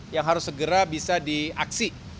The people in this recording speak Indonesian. yang harus segera bisa di aksi